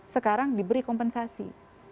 sekarang diberi kompensasi